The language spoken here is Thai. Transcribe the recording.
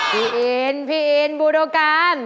พี่อินพี่อินบุรุกาล